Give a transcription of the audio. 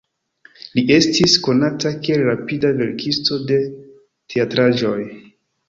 Li estis konata kiel rapida verkisto de teatraĵoj.